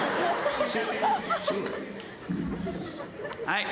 はい。